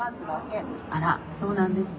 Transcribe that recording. あらそうなんですか？